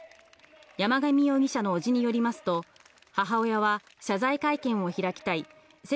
山上容疑者の伯父によりますと、母親は、謝罪会見を開きたい。